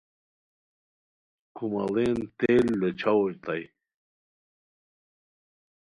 کُوماڑین تیل لوچھاؤ او تائے